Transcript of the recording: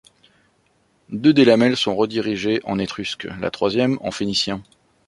Deux des lamelles sont rédigées en étrusque, la troisième en phénicien.